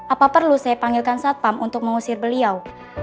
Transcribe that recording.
apa perlu saya panggilkan satpam untuk mengusir beliau